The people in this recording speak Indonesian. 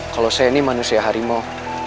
kalau saya ini manusia harimau